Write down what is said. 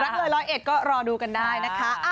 รับรอยร้อยเอกก็รอดูกันได้นะคะ